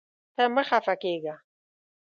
ته مه خفه کېږه.